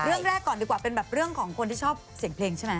เรื่องแรกก่อนดีกว่าเป็นแบบเรื่องของคนที่ชอบเสียงเพลงใช่ไหม